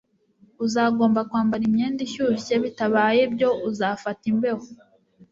Uzagomba kwambara imyenda ishyushye bitabaye ibyo uzafata imbeho